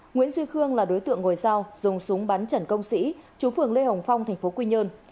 nguyễn duy khương là đối tượng ngồi sau dùng súng bắn trần công sĩ chú phường lê hồng phong tp quy nhơn